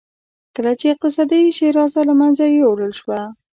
کله چې اقتصادي شیرازه له منځه یووړل شوه.